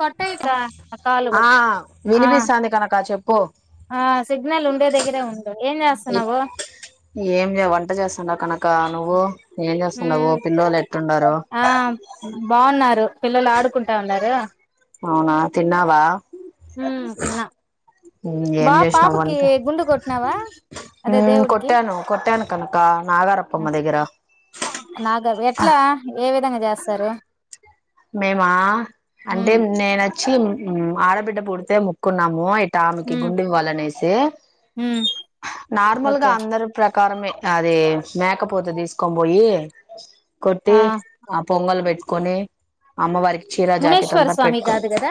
కొట్టాయి కాలు ఆ కూడా ఆ వినిపిస్తాంది కనక చెప్పు ఆ సిగ్నల్ ఉండే దగ్గరే ఉండు ఏం చేస్తున్నావు కన్నకనక నువ్వు పం సేతనవు మ్మ్ పిల్లోలు ఎట్టుండారు ఆ బాగున్నారు పిల్లలు ఆడుకుంటా ఉన్నారు అవునా తిన్నావా హమ్ తిన్న ఏం బా చేసినావు పాపకి వంట గుండు కొట్టినావా అదే దేవుడికి కొట్టాను కొట్టాను కనక నాగారప్పమ్మ దగ్గర నాగ ఎట్లా ఏ విధంగా చేస్తారు మేమా అంటే మ్మ్ నేను ఆడబిడ్డ పోడితే ముకున్నామో త ఆమెకి మ్మ్ గుండివ్వాలనేసి స మ్మ్ నార్మల్ గా ఓకే అందరు ప్ర ప్రకారంమే అది మేకపోతు తీసుకొని పోయి కొట్టి ఆ పొంగలు పెట్టుకొని అమ్మవారికి చీరా జాకెట్ మునేశ్వర అంతా స్వామి పెట్టుకుని కాదు కదా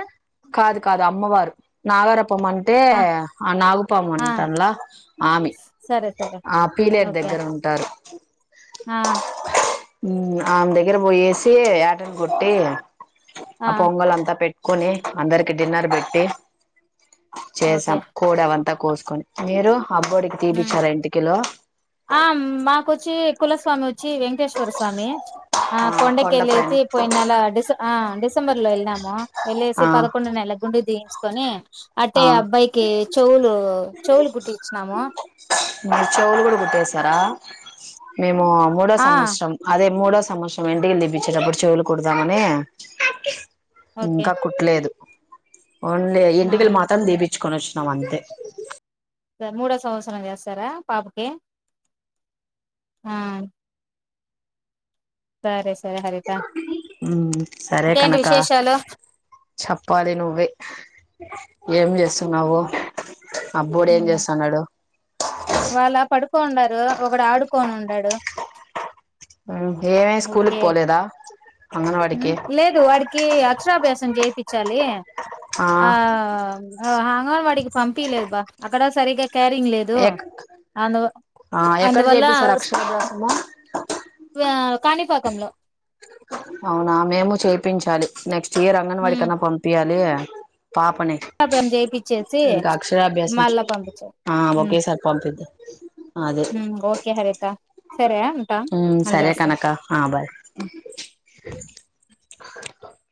కాదు కాదు అమ్మవారు నాగరపం అంటే ఆ నాగపాము ఆ అంటలా ఆమె సరే సరే ఆ పీలేరు ఓకే దగ్గర ఉంటారు ఆ ఆమె దగ్గర పోయేసి వేటని కొట్టి ఆ పొంగల్ అంతా పెట్ కుని అందరికి డిన్నర్ పెట్టి ఓకే చేసాం కూడవంతా కోసుకొని మీరు అబ్బోడికి ఉమ్ తీపిచ్చారా ఇంటికిలో ఆ మాకు వచ్చి కులస్వామి వచ్చి వెంకటేశ్వర స్వామి ఆ కొండకి కొండ పైన వెళేసి పోయిన నెల డిస ఆ డిసెబర్ లో వెళ్ళాము వెళ్లేసి ఆ పదకొండు నెల గుం తీయించుకొని ఆ అంటే అబ్బాయికి చెవులు చెవులు కట్టించి ఇచ్చినాము మీరుచవులు కూడా కుట్టేస్తారా మే మూడో ఆ సంవత్సరం అదే మూడో సంవత్సరం ఎన్నికలు తిప్పించేటప్పుడు చెవులు కుడదామని ఓకే ఇంకా కుట్లేదు ఓన్లీ ఆ ఎంటిక మా పించుకొని వచ్చినాం అంతే మూడో సంవత్సరం చేస్తారా పాపకి ఆ సరే సరే హరిత ఉ సరే ఇంకేంటి కనక విశేషాలు చెప్పాలి నువ్వే ఏం చేస్తున్నావు అబ్బోడు ఏం చేస్తున్నాడు వాళ పడు కోన్డారు ఒకడు ఆడుకొని ఉండడు ఏమే స్కూల్కి పోలేదా అంగన్వాడికి లేదు వాడికి అక్షరాభ్యాసం చేపించాలి ఆ హ వాడికి పంపియలేదు అబ్బా అక్కడ సరిగ్గా క్యారింగ్ లేదు ఎక్ అందు ఆ ఎక్కడ కుఅందువల్ల చేపిస్తారు స్కూల్ అక్షరాభ్యాసము కాణిపా కంలో అవునా మేము చేపించాలి నెక్స్ట్ తీరా అంగన్వాడి ఉమ్ కన్నా పంపింయాలి పాపనే చేపిచ్చేసి ఇంకా అక్షరాభ్యాసం చే మళ్ళా పంపించారు ఒకేసారి పంపిద్ద ఊ ఓకే హరిత సరే ఉంటా ఉ మళ్ళీ సరే చేస్తా కనక ఆ బాయ్